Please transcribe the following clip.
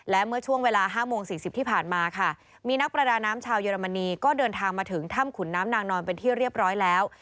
และเมื่อช่วงเวลา๕โมง๔๐ที่ผ่านมาค่ะมีนักประดาน้ำชาวเยอรมนีก็เดินทางมาถึงถ้ำขุนน้ำนางนอนเป็นที่เรียบร้อยแล้ว